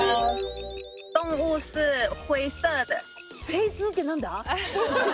フェイスーって何だ？